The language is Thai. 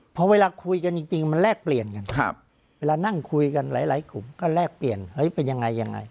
พอเวลาคุยกันจริงมันแลกเปลี่ยนกันเวลานั่งคุยกันหลายกลุ่มก็แลกเปลี่ยนเฮ้ยเป็นยังไงยังไง